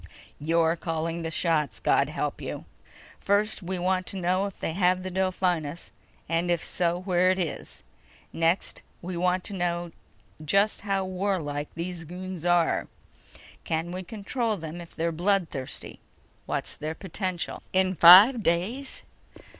You're calling the shots, God help you! First, we want to know if they have the Delphinus ... and if so, where it is. Next, we want to know just how warlike these goons are. Can we control them if they're bloodthirsty. What's their potential?" "In five days?"